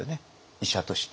医者として。